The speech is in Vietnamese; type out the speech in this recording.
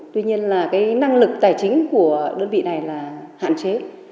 tuy nhiên là cái năng lực tài chính của đơn vị này là hạn chế